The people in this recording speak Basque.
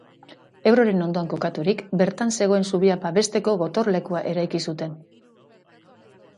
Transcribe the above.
Ebroren ondoan kokaturik, bertan zegoen zubia babesteko gotorlekua eraiki zuten.